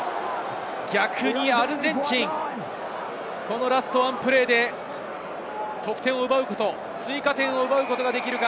逆にアルゼンチン、ラストワンプレーで得点を奪うこと、追加点を奪うことができるか？